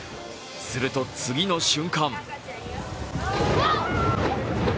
すると次の瞬間